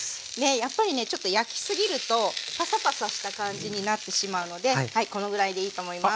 やっぱりねちょっと焼きすぎるとパサパサした感じになってしまうのでこのぐらいでいいと思います。